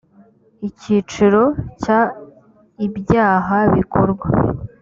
icyiciro cya ibyaha bikorwa